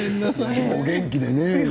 お元気でね。